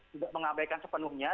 tidak mengabaikan sepenuhnya